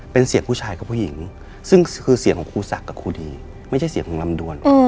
เป็นเสียงผู้ชายกับผู้หญิงซึ่งคือเสียงของครูศักดิ์กับครูดีไม่ใช่เสียงของลำดวน